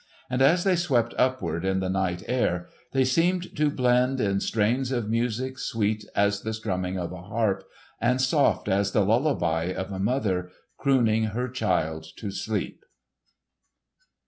And as they swept upward in the night air they seemed to blend in strains of music sweet as the thrumming of a harp and soft as the lullaby of a mother crooning her child to sleep.